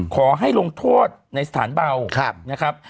ขอให้ลงโทษในสถานเบานะครับ